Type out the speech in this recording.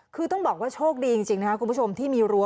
คือต้องบอกว่าโชคดีจริงนะครับคุณผู้ชมที่มีรั้